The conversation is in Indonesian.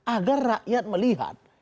agar rakyat melihat